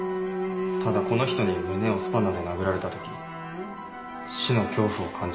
ただこの人に胸をスパナで殴られたとき死の恐怖を感じました。